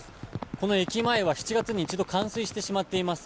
この駅前は７月に一度冠水してしまっています。